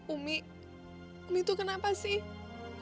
umi umi tuh kenapa sih